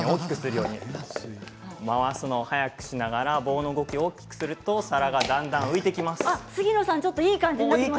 回すのを早くしながら棒の動きを大きくすると皿がどんどん浮いていきます。